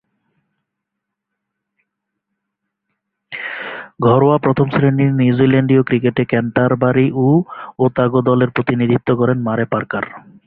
ঘরোয়া প্রথম-শ্রেণীর নিউজিল্যান্ডীয় ক্রিকেটে ক্যান্টারবারি ও ওতাগো দলের প্রতিনিধিত্ব করেন মারে পার্কার।